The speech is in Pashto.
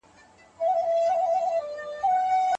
کبابي خپلې راډیو ته نوې بټرۍ واچوله ترڅو خبرونه واوري.